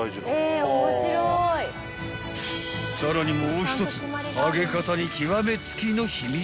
［さらにもう一つ揚げ方に極め付きの秘密が］